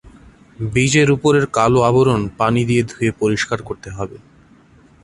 বীজের উপরের কালো আবরণ পানি দিয়ে ধুয়ে পরিষ্কার করতে হবে।